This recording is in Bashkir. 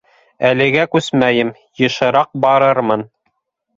— Әлегә күсмәйем, йышыраҡ барырмын.